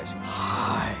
はい。